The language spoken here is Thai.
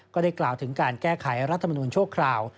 ก็ได้กล่าวถึงการแก้ไขรัฐมนุนชั่วคราว